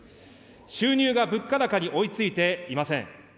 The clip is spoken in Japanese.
収入が物価高に追いついていません。